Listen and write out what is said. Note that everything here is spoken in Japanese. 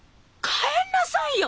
帰んなさいよ！